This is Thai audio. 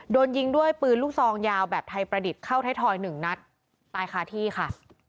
โดนยิงด้วยปืนลูกซองยาวแบบไทยประดิษฐ์เข้าไทยทอยหนึ่งนัดตายคาที่ค่ะ